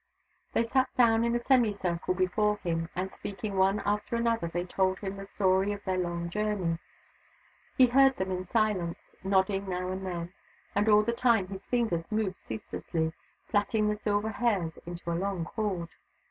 They sat down in a semi circle before him, and, speaking one after another, they told him the story of their long journey. He heard them in silence, nodding now and then : and all the time his fingers moved ceaselessly, plaiting the silver hairs into a long cord.